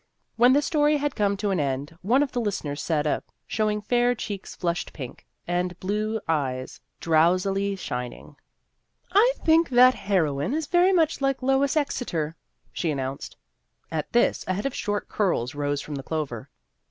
When the story had come to an end, one of the listeners sat up, showing fair cheeks flushed pink, and blue eyes drows ily shining. " I think that heroine is very much like Lois Exeter," she announced. At this, a head of short curls rose from the clover.